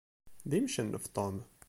D imcennef Tom.